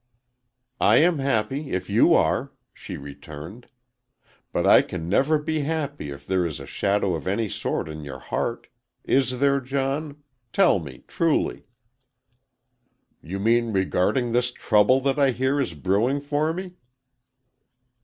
"I am happy, if you are," she returned. "But I can never be happy if there is a shadow of any sort on your heart. Is there, John? Tell me, truly." "You mean regarding this trouble that I hear is brewing for me?"